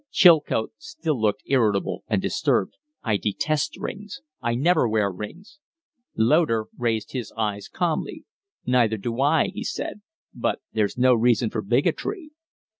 Chilcote still looked irritable and disturbed. "I detest rings. I never wear rings." Loder raised his eyes calmly. "Neither do I," he said. "But there's no reason for bigotry."